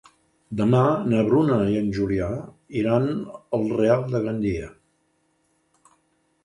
Demà na Bruna i en Julià iran al Real de Gandia.